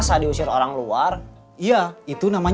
supaya apa sih kamedean